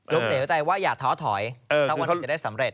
เหลวใจว่าอย่าท้อถอยถ้าวันหนึ่งจะได้สำเร็